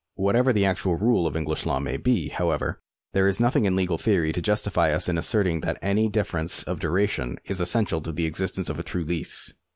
^ Whatever the actual rule of English law may be, however, there is nothing in legal theory to justify us in asserting that any such difference of duration is essential to the existence of a true lease.